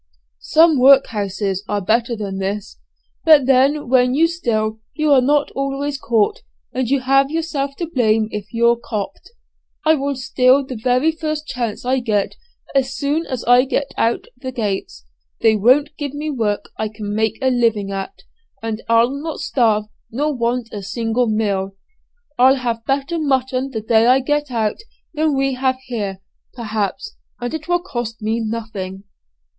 Some workhouses are better than this; but then when you steal you are not always caught, and you have yourself to blame if you're 'copt.' I will steal the very first chance I get, as soon as I get out at the gates. They won't give me work I can make a living at, and I'll not starve nor want a single meal. I'll have better mutton the day I get out than we have here, perhaps, and it will cost me nothing."